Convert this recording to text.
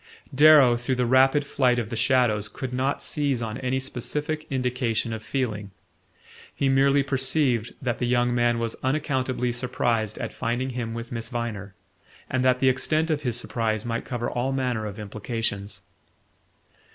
Darrow, through the rapid flight of the shadows, could not seize on any specific indication of feeling: he merely perceived that the young man was unaccountably surprised at finding him with Miss Viner, and that the extent of his surprise might cover all manner of implications.